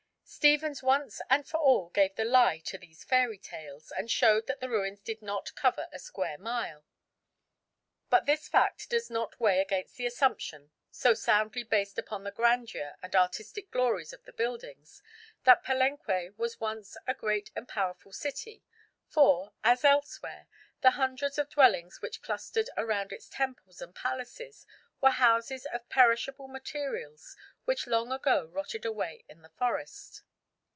Stephens once and for all gave the lie to these fairy tales, and showed that the ruins did not cover a square mile. But this fact does not weigh against the assumption, so soundly based upon the grandeur and artistic glories of the buildings, that Palenque was once a great and powerful city; for, as elsewhere, the hundreds of dwellings which clustered around its temples and palaces were houses of perishable materials which long ago rotted away in the forest.